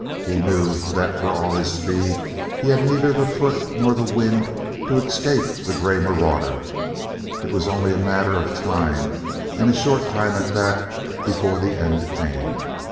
He knew that for all his speed he had neither the foot nor the wind to escape the grey marauder. It was only a matter of time, and short time at that, before the end came.